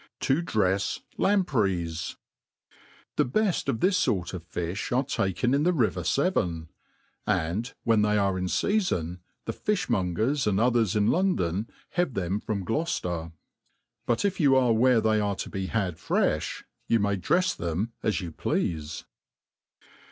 THE heft of this fort of fi(h are taken in the river Severn ; and, when they ^re in feafon, the && mongers and others in London have them from Gloucefter. But if you are where ^ey are tp be had frefli, you may drefs them as you pleafe.